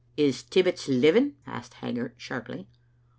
" Is Tibbets living?" asked Haggart sharply.